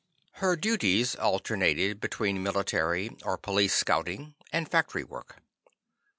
Her duties alternated between military or police scouting and factory work.